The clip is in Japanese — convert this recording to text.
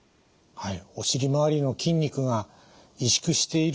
はい。